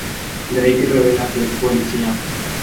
Drake revela que es policía.